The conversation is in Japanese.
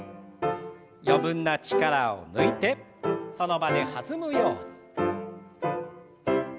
余分な力を抜いてその場で弾むように。